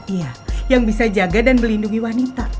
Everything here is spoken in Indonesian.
iya yang bisa jaga dan melindungi wanita